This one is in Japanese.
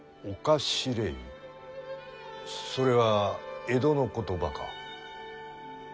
それは江戸の言葉か？